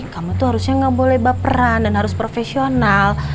kamu tuh harusnya gak boleh baperan dan harus profesional